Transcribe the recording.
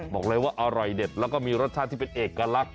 บอกเลยว่าอร่อยเด็ดแล้วก็มีรสชาติที่เป็นเอกลักษณ